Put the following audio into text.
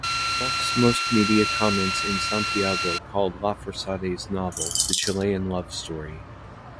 Thus most media comments in Santiago called Lafourcade's novel the Chilean love story.